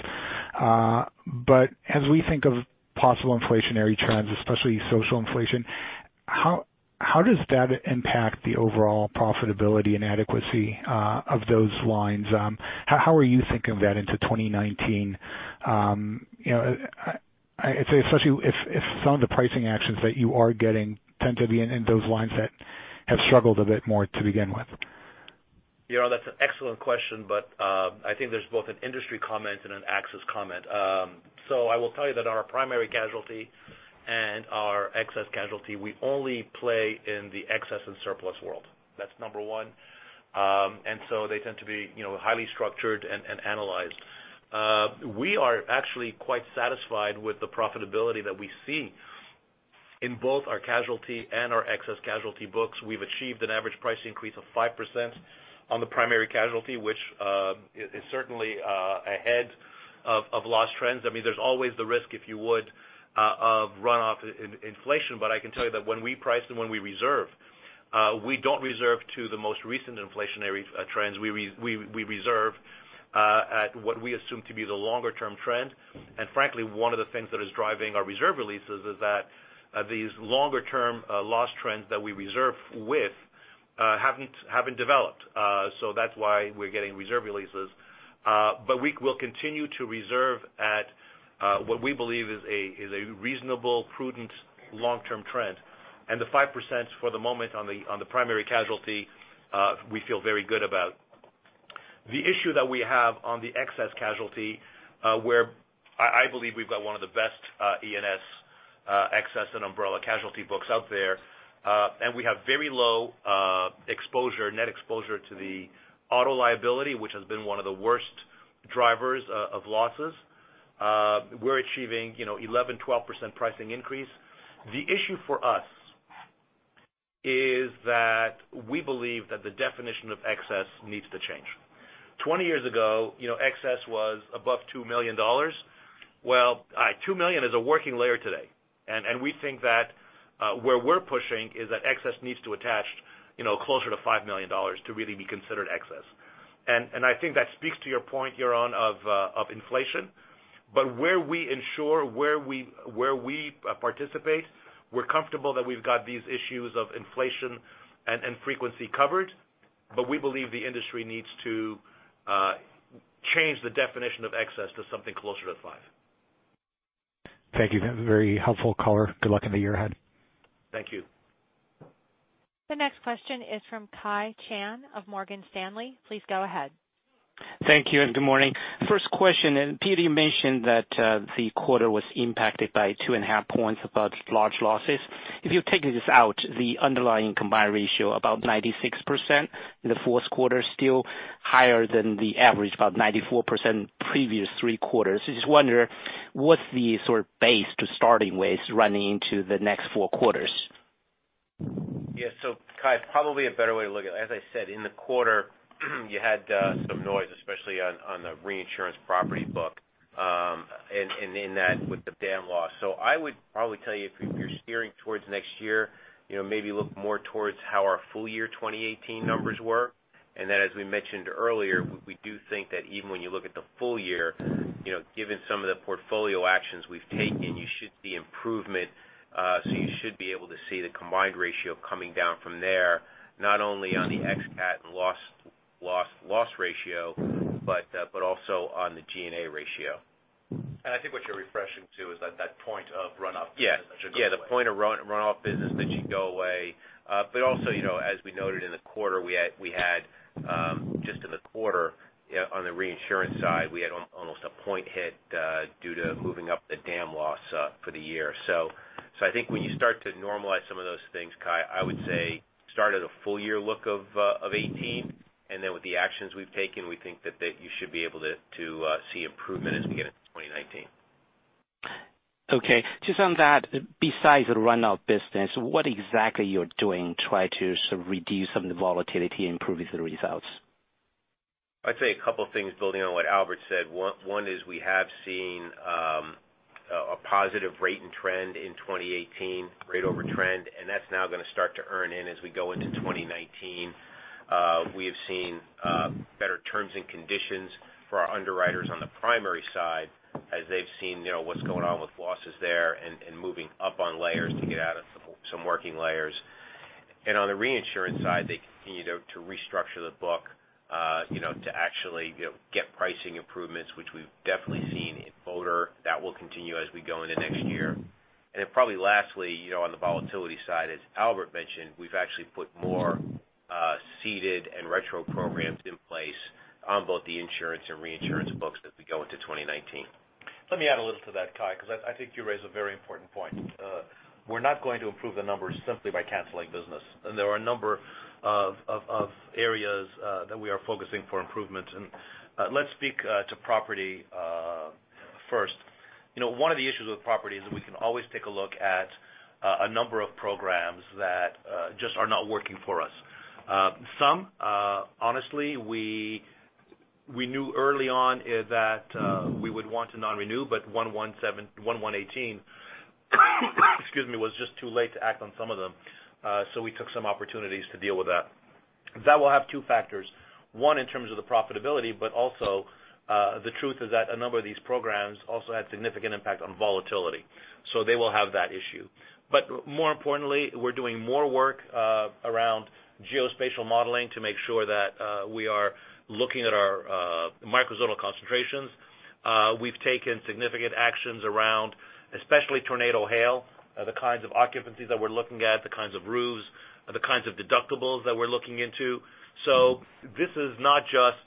As we think of possible inflationary trends, especially social inflation, how does that impact the overall profitability and adequacy of those lines? How are you thinking of that into 2019? Especially if some of the pricing actions that you are getting tend to be in those lines that have struggled a bit more to begin with. Yaron, that's an excellent question, I think there's both an industry comment and an AXIS comment. I will tell you that our primary casualty and our excess casualty, we only play in the excess and surplus world. That's number one. They tend to be highly structured and analyzed. We are actually quite satisfied with the profitability that we see in both our casualty and our excess casualty books. We've achieved an average price increase of 5% on the primary casualty, which is certainly ahead of loss trends. There's always the risk, if you would, of runoff in inflation, I can tell you that when we price and when we reserve, we don't reserve to the most recent inflationary trends. We reserve at what we assume to be the longer-term trend. Frankly, one of the things that is driving our reserve releases is that these longer-term loss trends that we reserve with haven't developed. That's why we're getting reserve releases. We will continue to reserve at what we believe is a reasonable, prudent long-term trend. The 5% for the moment on the primary casualty, we feel very good about. The issue that we have on the excess casualty, where I believe we've got one of the best E&S excess and umbrella casualty books out there, we have very low net exposure to the auto liability, which has been one of the worst drivers of losses. We're achieving 11, 12% pricing increase. The issue for us is that we believe that the definition of excess needs to change. 20 years ago, excess was above $2 million. 2 million is a working layer today, we think that where we're pushing is that excess needs to attach closer to $5 million to really be considered excess. I think that speaks to your point, Yaron, of inflation. Where we insure, where we participate, we're comfortable that we've got these issues of inflation and frequency covered, we believe the industry needs to change the definition of excess to something closer to 5. Thank you. Very helpful color. Good luck in the year ahead. Thank you. The next question is from Kai Pan of Morgan Stanley. Please go ahead. Thank you. Good morning. First question, Pete, you mentioned that the quarter was impacted by two and a half points above large losses. If you're taking this out, the underlying combined ratio, about 96% in the fourth quarter, still higher than the average, about 94% previous three quarters. I just wonder what's the base to starting with running into the next four quarters? Yeah. Kai, probably a better way to look at it, as I said, in the quarter you had some noise, especially on the reinsurance property book, and in that with the dam loss. I would probably tell you if you're steering towards next year, maybe look more towards how our full year 2018 numbers were. As we mentioned earlier, we do think that even when you look at the full year, given some of the portfolio actions we've taken, you should see improvement. You should be able to see the combined ratio coming down from there, not only on the ex-cat and loss ratio, but also on the G&A ratio. I think what you're referring to is that point of runoff business that should go away. Yeah, the point of runoff business that should go away. Also, as we noted in the quarter, just in the quarter on the reinsurance side, we had almost a point hit due to moving up the CAT loss for the year. I think when you start to normalize some of those things, Kai, I would say start at a full year look of 2018, and then with the actions we've taken, we think that you should be able to see improvement as we get into 2019. Okay. Just on that, besides the runoff business, what exactly you're doing try to reduce some of the volatility, improve the results? I'd say a couple of things building on what Albert said. One is we have seen a positive rate in trend in 2018, rate over trend, that's now going to start to earn in as we go into 2019. We have seen better terms and conditions for our underwriters on the primary side as they've seen what's going on with losses there and moving up on layers to get out of some working layers. On the reinsurance side, they continue to restructure the book to actually get pricing improvements, which we've definitely seen in motor. That will continue as we go into next year. Then probably lastly, on the volatility side, as Albert mentioned, we've actually put more Ceded and retro programs in place on both the insurance and reinsurance books as we go into 2019. Let me add a little to that, Kai, because I think you raise a very important point. We're not going to improve the numbers simply by canceling business. There are a number of areas that we are focusing for improvement. Let's speak to property first. One of the issues with property is we can always take a look at a number of programs that just are not working for us. Some, honestly, we knew early on that we would want to non-renew, but 117, 118, excuse me, was just too late to act on some of them, so we took some opportunities to deal with that. That will have two factors. One, in terms of the profitability, but also, the truth is that a number of these programs also had significant impact on volatility, so they will have that issue. More importantly, we're doing more work around geospatial modeling to make sure that we are looking at our micro zonal concentrations. We've taken significant actions around especially tornado hail, the kinds of occupancies that we're looking at, the kinds of roofs, the kinds of deductibles that we're looking into. This is not just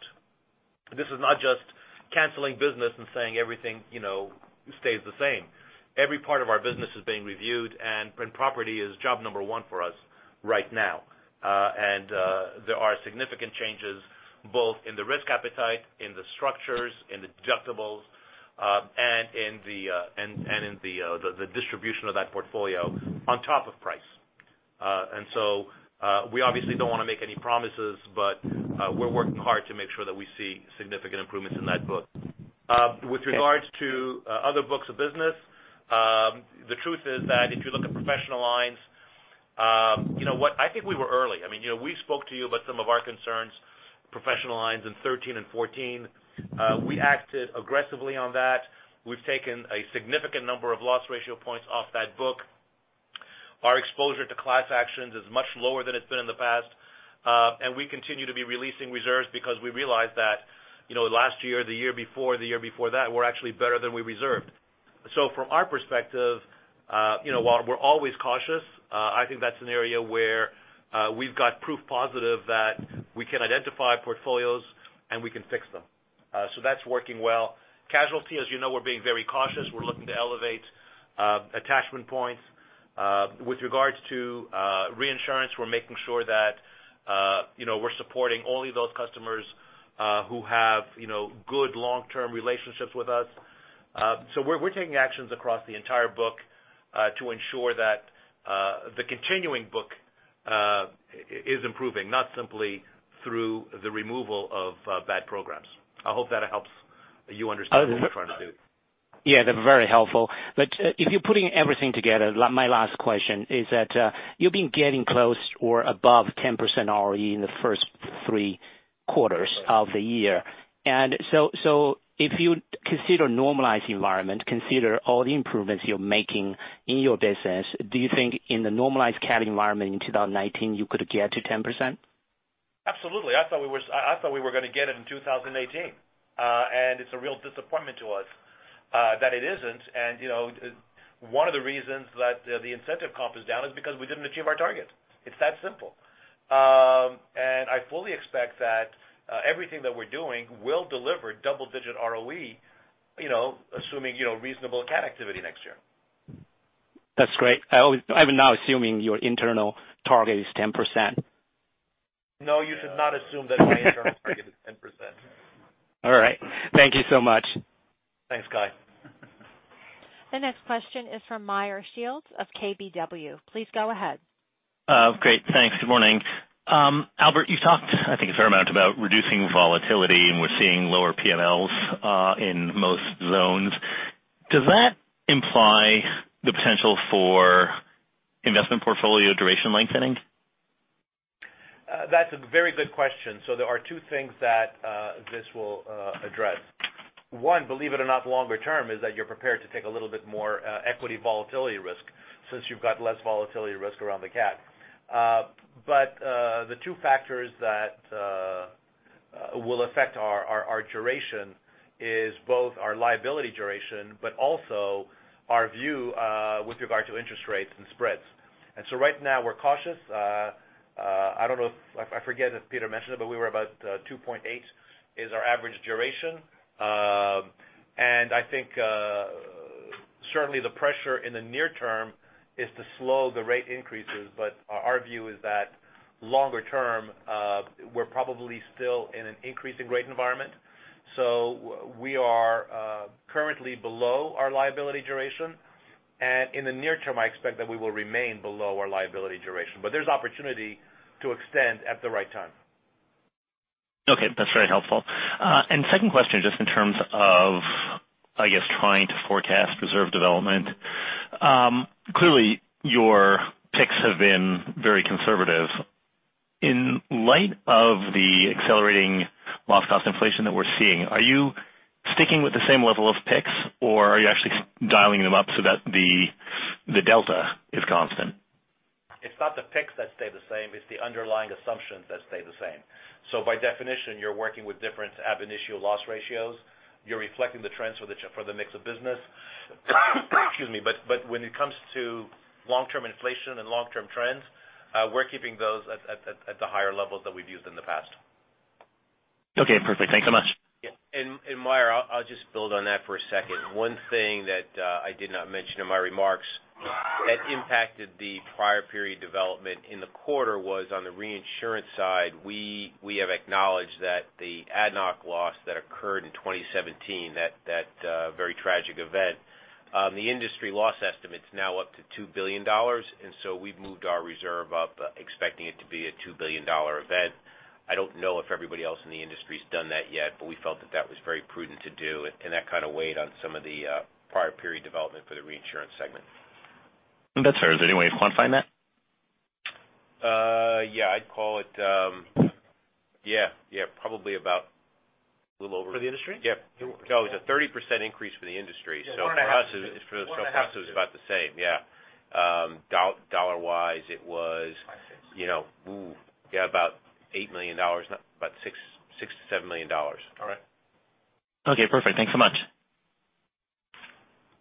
canceling business and saying everything stays the same. Every part of our business is being reviewed, and property is job number 1 for us right now. There are significant changes both in the risk appetite, in the structures, in the deductibles, and in the distribution of that portfolio on top of price. We obviously don't want to make any promises, but we're working hard to make sure that we see significant improvements in that book. With regards to other books of business, the truth is that if you look at professional lines, I think we were early. We spoke to you about some of our concerns, professional lines in 2013 and 2014. We acted aggressively on that. We've taken a significant number of loss ratio points off that book. Our exposure to class actions is much lower than it's been in the past. We continue to be releasing reserves because we realize that last year, the year before, the year before that, we're actually better than we reserved. From our perspective, while we're always cautious, I think that's an area where we've got proof positive that we can identify portfolios and we can fix them. That's working well. Casualty, as you know, we're being very cautious. We're looking to elevate attachment points. With regards to reinsurance, we're making sure that we're supporting only those customers who have good long-term relationships with us. We're taking actions across the entire book to ensure that the continuing book is improving, not simply through the removal of bad programs. I hope that helps you understand what we're trying to do. Yeah, they're very helpful. If you're putting everything together, my last question is that you've been getting close or above 10% ROE in the first three quarters of the year. If you consider normalized environment, consider all the improvements you're making in your business, do you think in the normalized CAT environment in 2019, you could get to 10%? Absolutely. I thought we were going to get it in 2018. It's a real disappointment to us that it isn't. One of the reasons that the incentive comp is down is because we didn't achieve our target. It's that simple. I fully expect that everything that we're doing will deliver double-digit ROE assuming reasonable CAT activity next year. That's great. I'm now assuming your internal target is 10%. No, you should not assume that my internal target is 10%. All right. Thank you so much. Thanks, Kai. The next question is from Meyer Shields of KBW. Please go ahead. Great. Thanks. Good morning. Albert, you talked, I think a fair amount about reducing volatility, and we're seeing lower PMLs in most zones. Does that imply the potential for investment portfolio duration lengthening? That's a very good question. There are two things that this will address. One, believe it or not, longer term is that you're prepared to take a little bit more equity volatility risk since you've got less volatility risk around the CAT. The two factors that will affect our duration is both our liability duration, also our view with regard to interest rates and spreads. Right now we're cautious. I forget if Pete mentioned it, we were about 2.8 is our average duration. I think certainly the pressure in the near term is to slow the rate increases. Our view is that longer term, we're probably still in an increasing rate environment. We are currently below our liability duration, and in the near term, I expect that we will remain below our liability duration. There's opportunity to extend at the right time. Okay. That's very helpful. Second question, just in terms of trying to forecast reserve development. Clearly, your picks have been very conservative. In light of the accelerating loss cost inflation that we're seeing, are you sticking with the same level of picks, or are you actually dialing them up so that the delta is constant? It's not the picks that stay the same, it's the underlying assumptions that stay the same. By definition, you're working with different ab initio loss ratios. You're reflecting the trends for the mix of business. Excuse me, when it comes to long-term inflation and long-term trends, we're keeping those at the higher levels that we've used in the past. Okay, perfect. Thanks so much. Yeah. Meyer, I'll just build on that for a second. One thing that I did not mention in my remarks that impacted the prior period development in the quarter was on the reinsurance side. We have acknowledged that the ADNOC loss that occurred in 2017, that very tragic event, the industry loss estimate's now up to $2 billion. So we've moved our reserve up, expecting it to be a $2 billion event. I don't know if everybody else in the industry's done that yet, we felt that that was very prudent to do, and that kind of weighed on some of the prior period development for the reinsurance segment. That's fair. Is there any way of quantifying that? Yeah, probably about a little. For the industry? Yeah. No, it's a 30% increase for the industry. For us, it was about the same, yeah. Dollar-wise, it was. $5, $6. Ooh, yeah, about $8 million. About $6 million-$7 million. All right. Okay, perfect. Thanks so much.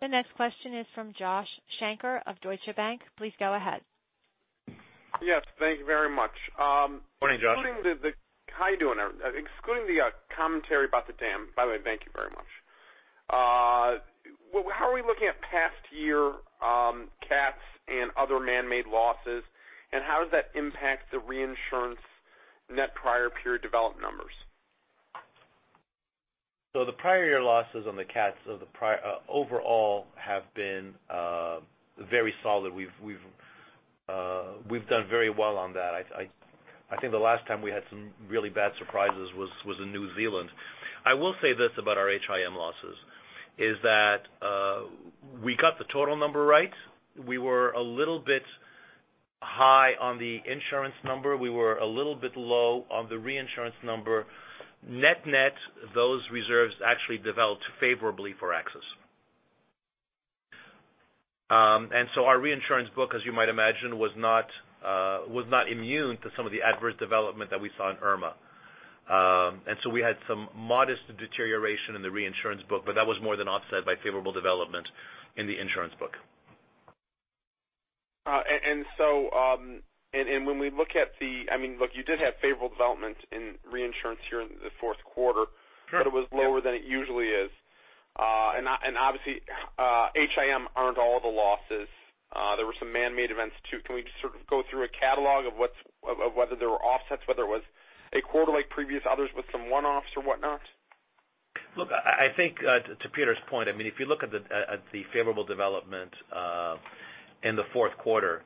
The next question is from Josh Shanker of Deutsche Bank. Please go ahead. Yes, thank you very much. Morning, Josh. How are you doing? Excluding the commentary about the dam, by the way, thank you very much. How are we looking at past year CATs and other manmade losses, and how does that impact the reinsurance net prior period development numbers? The prior year losses on the CATs overall have been very solid. We've done very well on that. I think the last time we had some really bad surprises was in New Zealand. I will say this about our HIM losses, is that we got the total number right. We were a little bit high on the insurance number. We were a little bit low on the reinsurance number. Net net, those reserves actually developed favorably for AXIS. Our reinsurance book, as you might imagine, was not immune to some of the adverse development that we saw in Irma. We had some modest deterioration in the reinsurance book, but that was more than offset by favorable development in the insurance book. When we look at the favorable development in reinsurance here in the fourth quarter. Sure. It was lower than it usually is. Obviously, HIM aren't all the losses. There were some manmade events, too. Can we just sort of go through a catalog of whether there were offsets, whether it was a quarter like previous others with some one-offs or whatnot? I think, to Peter's point, if you look at the favorable development in the fourth quarter,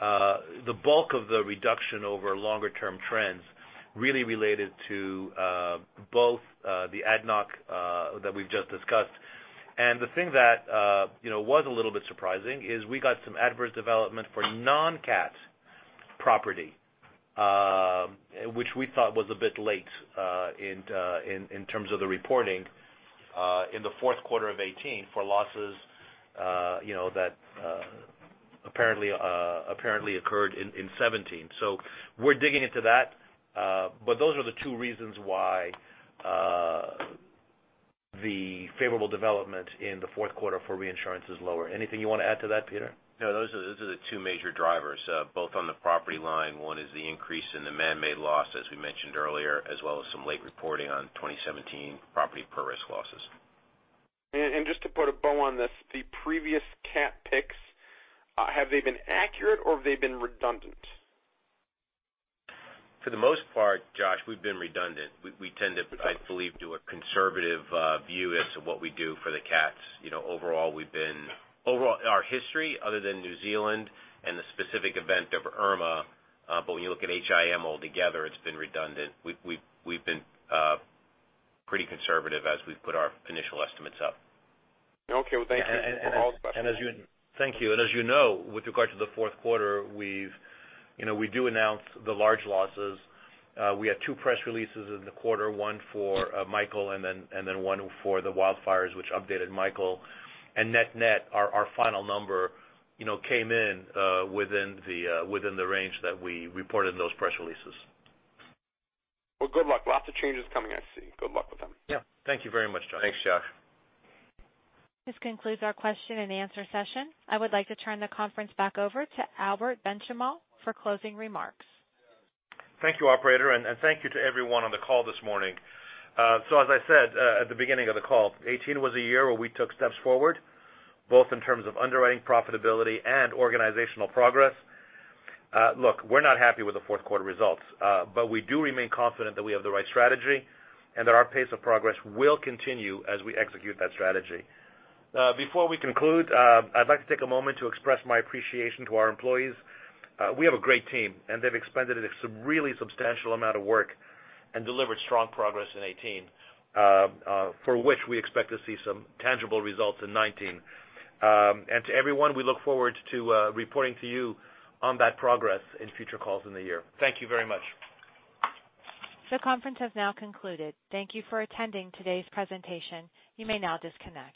the bulk of the reduction over longer-term trends really related to both the ADNOC that we've just discussed. The thing that was a little bit surprising is we got some adverse development for non-CAT property, which we thought was a bit late in terms of the reporting in the fourth quarter of 2018 for losses that apparently occurred in 2017. We're digging into that. Those are the two reasons why the favorable development in the fourth quarter for reinsurance is lower. Anything you want to add to that, Peter? No, those are the two major drivers, both on the property line. One is the increase in the manmade loss, as we mentioned earlier, as well as some late reporting on 2017 property per risk losses. Just to put a bow on this, the previous CAT picks, have they been accurate or have they been redundant? For the most part, Josh, we've been redundant. We tend to, I believe, do a conservative view as to what we do for the CATs. Overall, our history, other than New Zealand and the specific event of Irma, but when you look at HIM all together, it's been redundant. We've been pretty conservative as we've put our initial estimates up. Okay. Well, thank you. That's all the questions I have. Thank you. As you know, with regard to the fourth quarter, we do announce the large losses. We had two press releases in the quarter, one for Michael and then one for the wildfires, which updated Michael. Net net, our final number came in within the range that we reported in those press releases. Well, good luck. Lots of changes coming I see. Good luck with them. Yeah. Thank you very much, Josh. Thanks, Josh. This concludes our question and answer session. I would like to turn the conference back over to Albert Benchimol for closing remarks. Thank you, operator, and thank you to everyone on the call this morning. As I said at the beginning of the call, 2018 was a year where we took steps forward, both in terms of underwriting profitability and organizational progress. Look, we're not happy with the fourth quarter results. We do remain confident that we have the right strategy and that our pace of progress will continue as we execute that strategy. Before we conclude, I'd like to take a moment to express my appreciation to our employees. We have a great team, and they've expended a really substantial amount of work and delivered strong progress in 2018, for which we expect to see some tangible results in 2019. To everyone, we look forward to reporting to you on that progress in future calls in the year. Thank you very much. This conference has now concluded. Thank you for attending today's presentation. You may now disconnect.